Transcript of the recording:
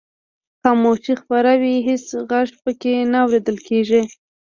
خاموشي خپره وي هېڅ غږ پکې نه اورېدل کیږي.